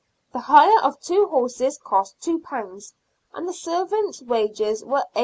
The hire of two horses cost £2, and the servants' wages were 8d.